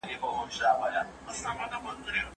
تاسو باید د خپل تېر تاریخ درناوی وکړئ.